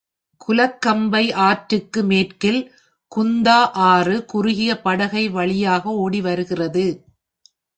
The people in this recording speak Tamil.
குலக்கம்பை ஆற்றுக்கு மேற்கில் குந்தா ஆறு குறுகிய படுக்கை வழியாக ஓடி வருகிறது.